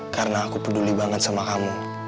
karena aku peduli banget sama kamu